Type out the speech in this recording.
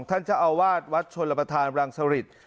ท่านเจ้าอาวาสวัดชนรับประธานรังสริต